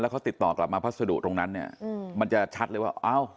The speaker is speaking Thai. เขาติดต่อกลับมาพัสดุตรงนั้นเนี่ยมันจะชัดเลยว่าเอ้า